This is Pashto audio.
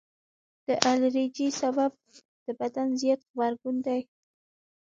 د الرجي سبب د بدن زیات غبرګون دی.